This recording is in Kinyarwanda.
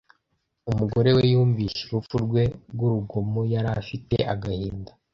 Umugore we yumvise urupfu rwe rw’urugomo, yari afite agahinda.